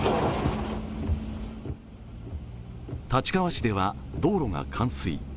立川市では道路が冠水。